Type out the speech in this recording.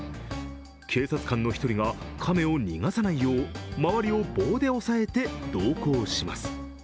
警察官の１人が亀を逃がさないよう周りを棒で押さえて同行します。